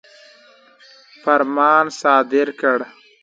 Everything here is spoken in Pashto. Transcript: فرمان صادر کړ.